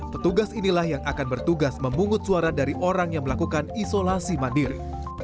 petugas inilah yang akan bertugas memungut suara dari orang yang melakukan isolasi mandiri